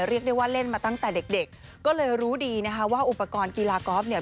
เรียกได้ว่าเล่นมาตั้งแต่เด็กเด็กก็เลยรู้ดีนะคะว่าอุปกรณ์กีฬากอล์ฟเนี่ย